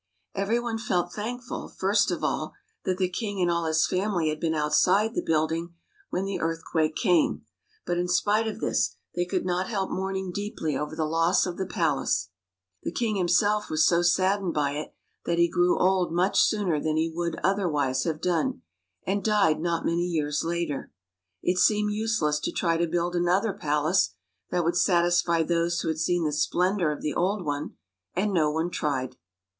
Every one felt thankful, first of all, that the king and all his family had been outside the building when the earthquake came, but in spite of this they could not help mourning deeply over the loss of the palace. The king himself was so saddened by it that he grew old much sooner than he would otherwise have done, and died not many years later. It seemed useless to try to build another palace that would satisfy those who had seen the splendor of the old one, and no one tried.